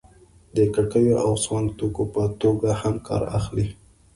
د کړکیو او سونګ توکو په توګه هم کار اخلي.